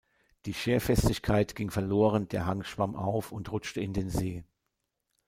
Die Scherfestigkeit ging verloren, der Hang schwamm auf und rutschte in den See.